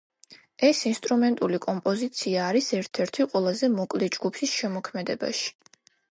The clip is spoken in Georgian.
ეს ინსტრუმენტული კომპოზიცია არის ერთ-ერთი ყველაზე მოკლე ჯგუფის შემოქმედებაში.